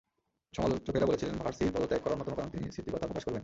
সমালোচকেরা বলছিলেন, ভার্সির পদত্যাগ করার অন্যতম কারণ, তিনি স্মৃতিকথা প্রকাশ করবেন।